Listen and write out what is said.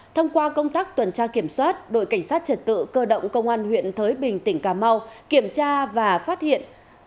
thông qua công tác tuần tra kiểm soát đội cảnh sát trật tự cơ động công an huyện thới bình tỉnh cà mau kiểm tra và phát hiện